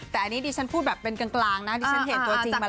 แต่อันนี้ดิฉันพูดแบบเป็นกลางนะดิฉันเห็นตัวจริงมาแล้ว